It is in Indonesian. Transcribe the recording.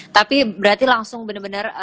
tapi berarti langsung bener bener